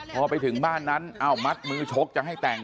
พอไปถึงบ้านนั้นอ้าวมัดมือชกจะให้แต่ง